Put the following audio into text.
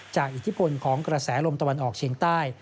อิทธิพลของกระแสลมตะวันออกเชียงใต้